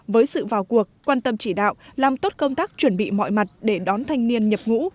với sự vào cuộc quan tâm chỉ đạo làm tốt công tác chuẩn bị mọi mặt để đón thanh niên nhập ngũ